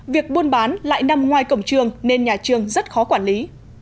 việc buôn bán lại nằm ngoài cổng trường nên nhà trường rất khó quản lý